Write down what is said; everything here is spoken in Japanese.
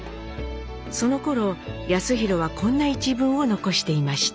そのころ康宏はこんな一文を残していました。